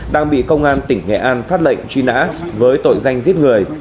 đang bị công an tỉnh nghệ an phát lệnh truy nã với tội danh giết người